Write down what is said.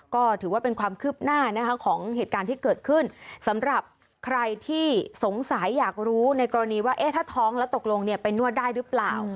ก็ถือว่าเป็นความคืบหน้านะคะของเหตุการณ์ที่เกิดขึ้นสำหรับใครที่สงสัยอยากรู้ในกรณีว่าถ้าท้องแล้วตกลงเนี่ยไปนวดได้หรือเปล่า